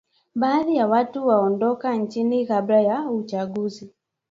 Baadhi ya watu waondoka nchini kabla ya uchaguzi